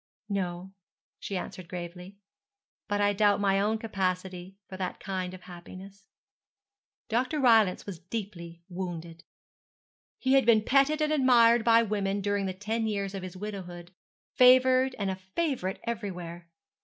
'No,' she answered gravely, 'but I doubt my own capacity for that kind of happiness.' Dr. Rylance was deeply wounded. He had been petted and admired by women during the ten years of his widowhood, favoured and a favourite everywhere.